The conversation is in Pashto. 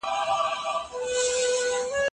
هغه ته د ښې څيړني له امله جایزه ورکړل شوه.